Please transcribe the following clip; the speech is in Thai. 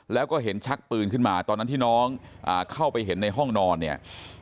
แล้วก็เห็นชักปืนขึ้นมาตอนนั้นที่น้องเข้าไปเห็นในห้องนอนเนี่ย